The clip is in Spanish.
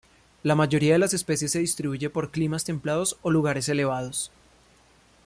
La mayoría de las especies se distribuye por climas templados o lugares elevados.